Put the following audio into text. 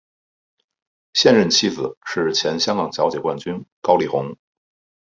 现任妻子是前香港小姐冠军高丽虹。